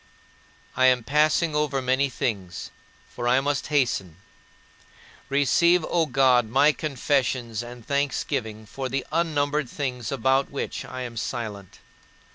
I am passing over many things, for I must hasten. Receive, O my God, my confessions and thanksgiving for the unnumbered things about which I am silent.